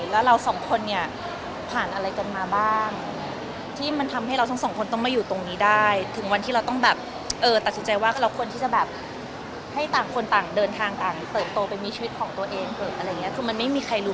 แล้วเราสองคนเนี่ยผ่านอะไรกันมาบ้างที่มันทำให้เราทั้งสองคนต้องมาอยู่ตรงนี้ได้ถึงวันที่เราต้องแบบเออตัดสินใจว่าเราควรที่จะแบบให้ต่างคนต่างเดินทางต่างเติบโตไปมีชีวิตของตัวเองเถอะอะไรอย่างนี้คือมันไม่มีใครรู้